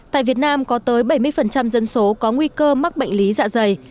tại việt nam có tới bảy mươi dân số có nguy cơ mắc bệnh lý dạ dày